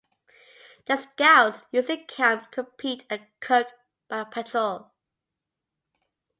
The scouts usually camp, compete and cook by patrol.